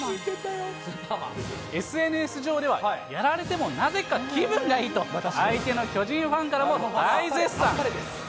ＳＮＳ上では、やられてもなぜか気分がいいと、相手の巨人ファンからも大絶賛。